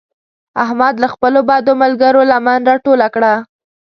احمد له خپلو بدو ملګرو لمن راټوله کړه.